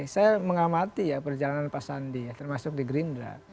saya mengamati ya perjalanan pak sandi ya termasuk di gerindra